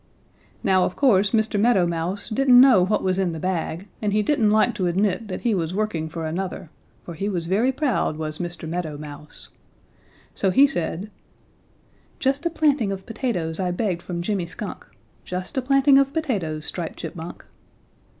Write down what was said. "Now, of course, Mr. Meadow Mouse didn't know what was in the bag and he didn't like to admit that he was working for another, for he was very proud, was Mr. Meadow Mouse. "So he said: 'Just a planting of potatoes I begged from Jimmy Skunk, just a planting of potatoes, Striped Chipmunk.'